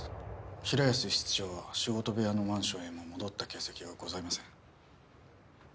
平安室長は仕事部屋のマンションへも戻った形跡はございません。